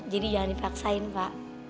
jadi jangan dipaksain pak